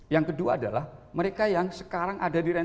yang kedua adalah mereka yang sekarang ada di ranki